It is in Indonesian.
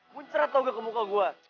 kuncir toga ke muka gue